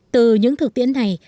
từ những thực tiễn này